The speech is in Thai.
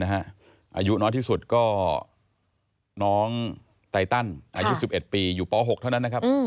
อายุน้อยที่สุดก็น้องไตตันอายุ๑๑ปีอยู่ป๖เท่านั้นนะครับ